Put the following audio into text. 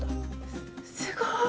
すすごい。